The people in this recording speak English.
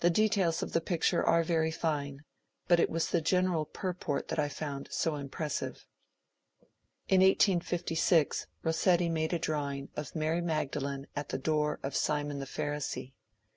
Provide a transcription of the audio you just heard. The details of the pic ture are very fine, but it was the general purport that I found so impressive.^ In 1856 Bossetti made a drawing of ^' Mary Magdalene at the door of Simon the Pharisee."